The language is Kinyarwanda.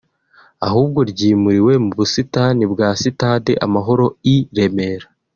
ahubwo ryimuriwe mu busitani bwa Stade Amahoro i Remera